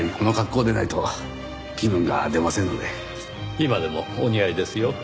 今でもお似合いですよ。